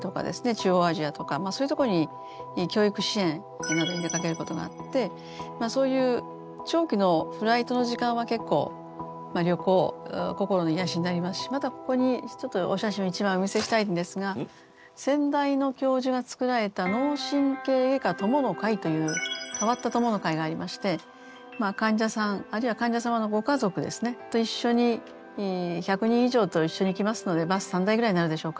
中央アジアとかそういうとこに教育支援などに出かけることがあってそういう長期のフライトの時間は結構旅行心の癒やしになりますしまたここにちょっとお写真を一枚お見せしたいんですが先代の教授がつくられた脳神経外科友の会という変わった友の会がありまして患者さんあるいは患者様のご家族ですねと一緒に１００人以上と一緒に行きますのでバス３台ぐらいになるでしょうか。